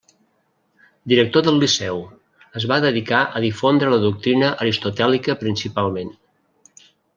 Director del Liceu, es va dedicar a difondre la doctrina Aristotèlica principalment.